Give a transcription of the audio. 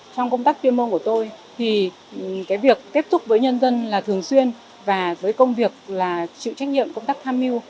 trong công tác tuyên môn của tôi thì cái việc tiếp xúc với nhân dân là thường xuyên và với công việc là chịu trách nhiệm công tác tham mưu